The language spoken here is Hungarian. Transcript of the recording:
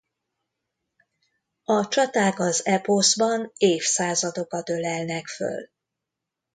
A csaták az eposzban évszázadokat ölelnek föl.